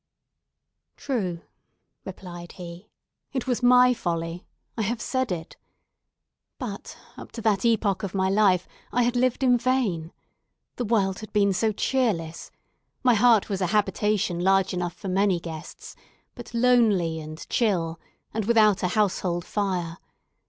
"True," replied he. "It was my folly! I have said it. But, up to that epoch of my life, I had lived in vain. The world had been so cheerless! My heart was a habitation large enough for many guests, but lonely and chill, and without a household fire.